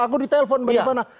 aku ditelepon mbak rifana